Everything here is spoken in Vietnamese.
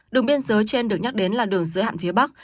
đường biên giới trên được nhắc đến là đường giới hạn phía bắc